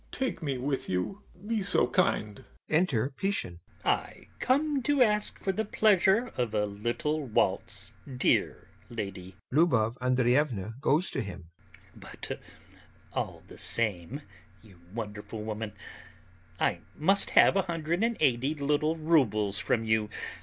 Take me with you, be so kind! [Enter PISCHIN.] PISCHIN. I come to ask for the pleasure of a little waltz, dear lady.... [LUBOV ANDREYEVNA goes to him] But all the same, you wonderful woman, I must have 180 little roubles from you...